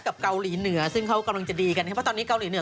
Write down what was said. เกาหลีเหนือซึ่งเขากำลังจะดีกันเพราะตอนนี้เกาหลีเหนือ